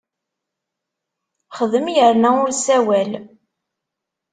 Xdem yerna ur ssawal!